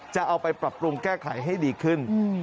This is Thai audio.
จะเอาไปปรับปรุงแก้ไขให้ดีขึ้น